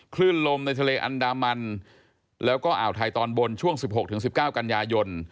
คลื่นลมในทะเลอันดามันแล้วก็อ่าวไทยตอนบนช่วง๑๖๑๙กันยายน